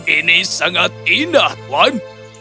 ini sangat indah tuan